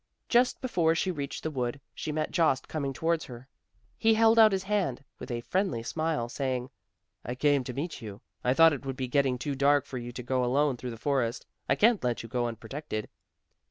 Just before she reached the wood, she met Jost coming towards her. He held out his hand with a friendly smile, saying, "I came to meet you; I thought it would be getting too dark for you to go alone through the forest; I can't let you go unprotected."